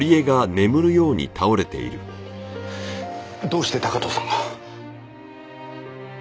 どうして高塔さんが。